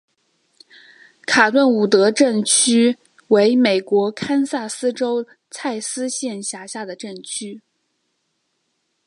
卡顿伍德镇区为美国堪萨斯州蔡斯县辖下的镇区。